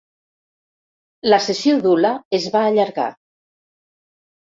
La sessió d'hula es va allargar.